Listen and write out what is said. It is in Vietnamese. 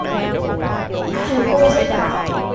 Thầy cô dạy bảo